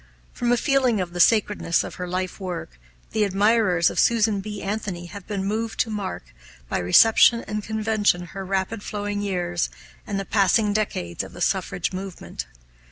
From a feeling of the sacredness of her life work, the admirers of Susan B. Anthony have been moved to mark, by reception and convention, her rapid flowing years and the passing decades of the suffrage movement.